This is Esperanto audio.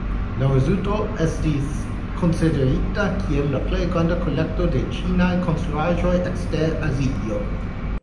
La rezulto estas konsiderita kiel la plej granda kolekto de ĉinaj konstruaĵoj ekster Azio.